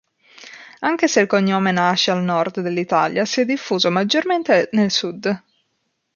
Anche se il cognome nasce al nord dell'Italia si è diffuso maggiormente nel sud.